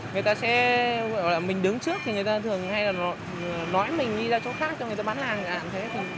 người ta sẽ mình đứng trước thì người ta thường hay là nói mình đi ra chỗ khác cho người ta bán làng